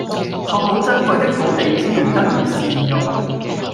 確保珍貴的土地資源得以善用